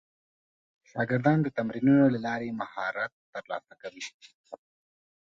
شاګردان د تمرینونو له لارې مهارت ترلاسه کړل.